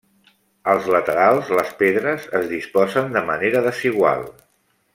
Als laterals les pedres es disposen de manera desigual.